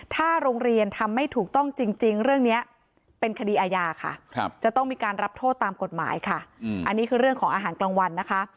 ถ้าโรงเรียนทำไม่ถูกต้องจริงเรื่องนี้เป็นคดีอาญาค่ะจะต้องมีการรับโทษตามกฎหมายค่ะอันนี้คือเรื่องของอาหารกลางวันนะคะ